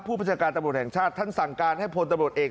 ประชาการตำรวจแห่งชาติท่านสั่งการให้พลตำรวจเอก